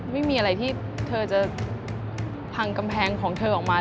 ไม่มีอะไรที่เธอจะพังกำแพงของเธอออกมา